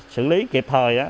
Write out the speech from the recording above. sử lý kịp thời